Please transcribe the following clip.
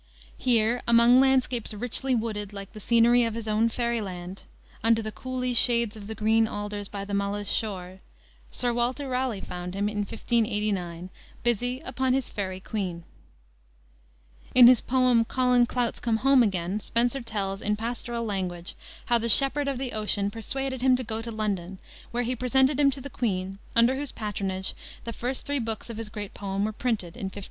Here, among landscapes richly wooded, like the scenery of his own fairy land, "under the cooly shades of the green alders by the Mulla's shore," Sir Walter Raleigh found him, in 1589, busy upon his Faery Queene. In his poem, Colin Clouts Come Home Again, Spenser tells, in pastoral language, how "the shepherd of the ocean" persuaded him to go to London, where he presented him to the Queen, under whose patronage the first three books of his great poem were printed, in 1590.